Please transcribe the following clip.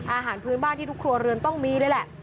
อาหารพื้นบ้านที่ทุกครัวเรือนต้องมีเลยแหละ